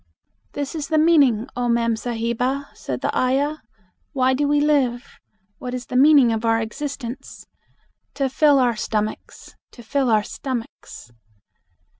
"This is the meaning, Oh mem sahiba," said the ayah: "Why do we live? What is the meaning of our existence? To fill our stomachs, to fill our stomachs."